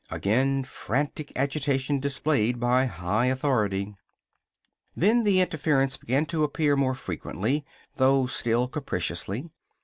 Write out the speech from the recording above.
Again, frantic agitation displayed by high authority. Then the interference began to appear more frequently, though still capriciously.